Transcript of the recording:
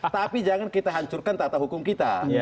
tapi jangan kita hancurkan tata hukum kita